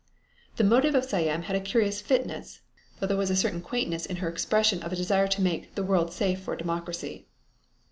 The motive of Siam had a curious fitness, though there was a certain quaintness in her expression of a desire to make, "the world safe for democracy."